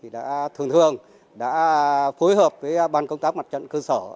đã thường thường đã phối hợp với ban công tác mặt trận cơ sở